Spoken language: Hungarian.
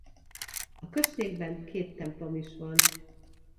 A községben két templom is van.